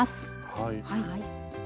はい。